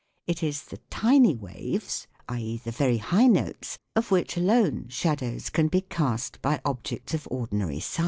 It is the tiny waves, i.e. the very high notes, of which alone shadows can be cast by objects of ordinary size.